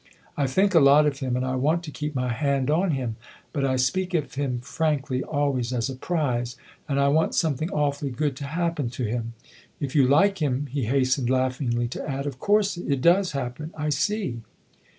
" I think a lot of him and I want to keep my hand on him. But I speak of him frankly, always, as a prize, and I want something awfully good to happen to him. If you like him," he hastened laughingly to add, "of course it does happen I see